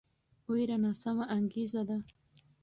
ویره ناسمه انګیزه ده